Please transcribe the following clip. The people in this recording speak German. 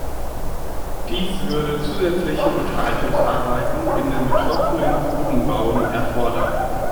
Dies würde zusätzliche Unterhaltungsarbeiten in den betroffenen Grubenbauen erfordern.